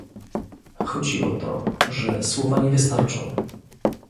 Chodzi o to, że słowa nie wystarczą